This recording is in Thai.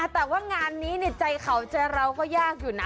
แต่ว่างานนี้ใจเขาใจเราก็ยากอยู่นะ